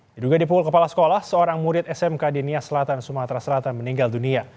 diduga dipukul kepala sekolah seorang murid smk di nia selatan sumatera selatan meninggal dunia